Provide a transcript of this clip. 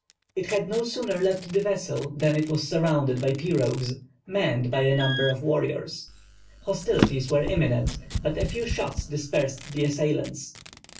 It had no sooner left the vessel than it was surrounded by pirogues, manned by a number of warriors. Hostilities were imminent, but a few shots dispersed the assailants.